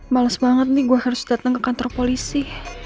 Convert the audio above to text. males banget nih gue harus datang ke kantor polisi